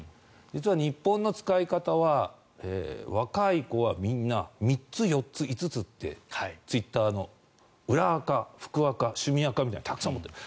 実は日本の使い方は若い子はみんな３つ、４つ、５つってツイッターの裏アカ、複アカ趣味アカみたいなものをたくさん持っている。